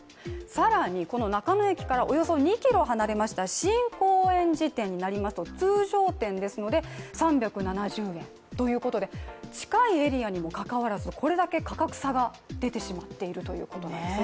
更に、この中野駅からおよそ２ｋｍ離れました新高円寺店になりますと通常店ですので、３７０円ということで近いエリアにもかかわらず、これだけ価格差が出てしまっているということです。